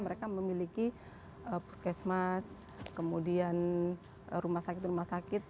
mereka memiliki puskesmas kemudian rumah sakit rumah sakit